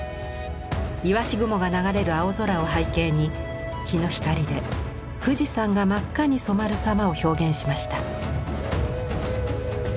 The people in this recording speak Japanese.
いわし雲が流れる青空を背景に日の光で富士山が真っ赤に染まる様を表現しました。